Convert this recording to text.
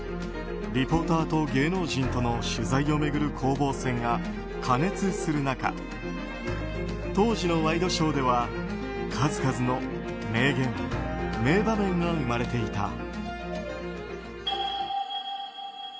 リポーターと芸能人との取材を巡る攻防戦が過熱する中当時のワイドショーでは数々の名言、名場面が生まれていた。